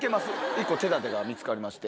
１個手だてが見つかりまして。